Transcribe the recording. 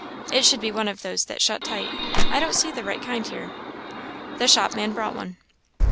It should be one of those that shut tight. I don't see the right kind here." The shopman brought one.